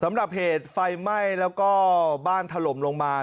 สำหรับเหตุไฟไหม้แล้วก็บ้านถล่มลงมา